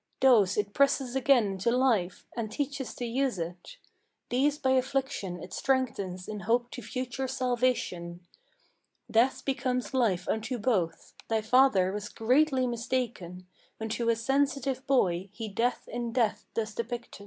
Those it presses again into life, and teaches to use it; These by affliction it strengthens in hope to future salvation. Death becomes life unto both. Thy father was greatly mistaken When to a sensitive boy he death in death thus depicted.